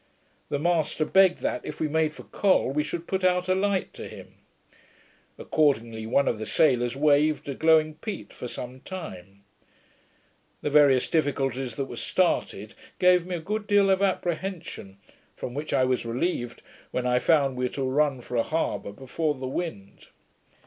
The master begged that, if we made for Col, we should put out a light to him. Accordingly one of the sailors waved a glowing peat for some time. The various difficulties that were started, gave me a good deal of apprehension, from which I was relieved, when I found we were to run for a harbour before the wind.